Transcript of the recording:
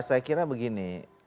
saya kira begini